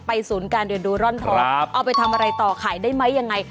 ศูนย์การเรียนดูร่อนทองเอาไปทำอะไรต่อขายได้ไหมยังไง